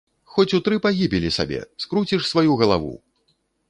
Хоць у тры пагібелі, сабе, скруціш сваю галаву!